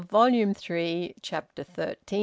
VOLUME THREE, CHAPTER FOURTEEN.